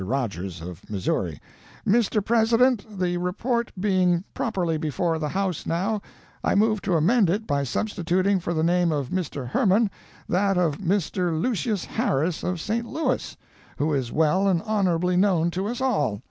ROGERS of Missouri: 'Mr. President The report being properly before the House now, I move to amend it by substituting for the name of Mr. Herrman that of Mr. Lucius Harris of St. Louis, who is well and honorably known to us all.